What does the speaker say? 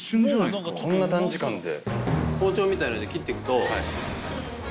こんな短時間で！